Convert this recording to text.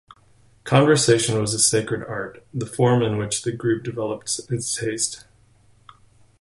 Conversation was a sacred art, the forum in which the group developed its taste.